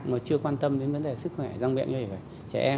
mà chưa quan tâm đến vấn đề sức khỏe răng miệng như vậy